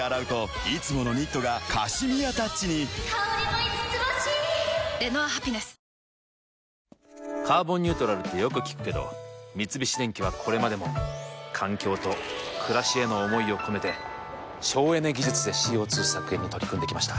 あけましておめでとうござい「カーボンニュートラル」ってよく聞くけど三菱電機はこれまでも環境と暮らしへの思いを込めて省エネ技術でＣＯ２削減に取り組んできました。